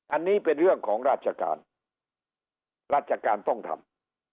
อันนี้เป็นเรื่องของราชการราชการต้องทำ